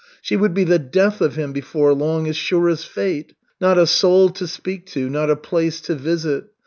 She would be the death of him before long, as sure as fate. Not a soul to speak to, not a place to visit.